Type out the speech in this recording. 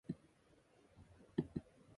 It was the debut of Marshall as director.